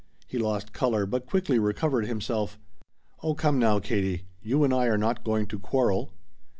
He lost color, but quickly recovered himself. "Oh come now, Katie, you and I are not going to quarrel."